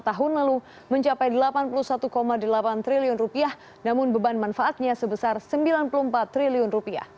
tahun lalu mencapai rp delapan puluh satu delapan triliun namun beban manfaatnya sebesar rp sembilan puluh empat triliun